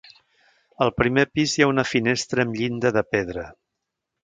Al primer pis hi ha una finestra amb llinda de pedra.